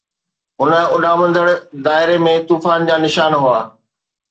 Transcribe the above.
هن اڏامندڙ دائري ۾ طوفان جا نشان هئا.